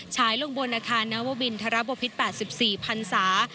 ฉายลงบนอาคารนวบินทรบพิษ๘๔พันศา